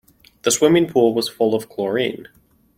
The swimming pool was full of chlorine.